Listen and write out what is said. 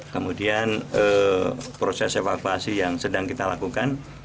kemudian proses evakuasi yang sedang kita lakukan